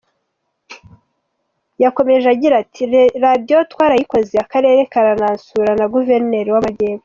Yakomeje agira ati “Radio twarayikoze, Akarere karanansura na guverineri w’Amajyepfo.